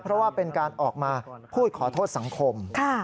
เพราะว่าเป็นการออกมาพูดขอโทษสังคม